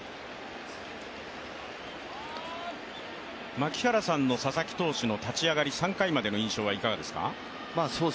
槙原さんの佐々木投手の立ち上がり、３回までの印象派どうですか？